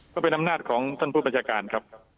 ก็เป็นอำนาจของท่านผู้บัญชาการครับ